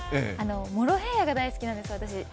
モロヘイヤが大好きなんです。